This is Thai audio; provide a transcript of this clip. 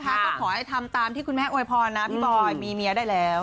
ก็ขอให้ทำตามที่คุณแม่อวยพรนะพี่บอยมีเมียได้แล้ว